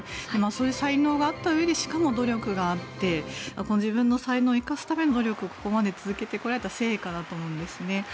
そういう才能があったうえでしかも努力があって自分の才能を生かすための努力をここまで続けてこられた成果だと思うんですね。